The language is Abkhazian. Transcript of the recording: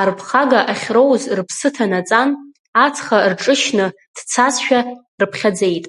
Арԥхага ахьроуз рыԥсы ҭанаҵан, ацха рҿышьны дцазшәа рыԥхьаӡеит.